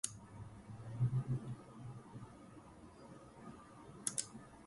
Marine animals rely heavily on sound for communication, navigating, finding food, and avoiding predators.